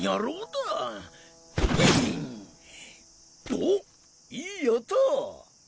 おっいい音！